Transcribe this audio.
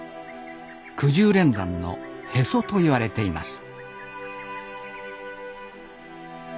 くじゅう連山の「へそ」といわれています